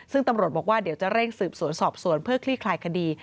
ซึ่งตำรวจบอกว่าเดี๋ยวจะเร่งสืบสวนสอบสวนเพื่อคลี่คลายคดี